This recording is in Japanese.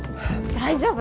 大丈夫？